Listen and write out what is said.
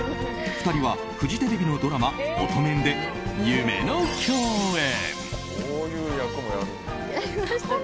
２人はフジテレビのドラマ「オトメン」で夢の共演。